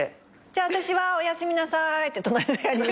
「じゃあ私はおやすみなさい」って隣の部屋に。